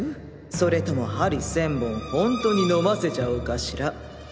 それとも針千本ホントに飲ませちゃおうかしら？